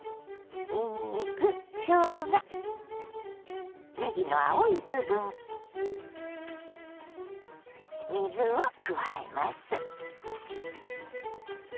にんにくしょうがねぎの青い部分水を加えます。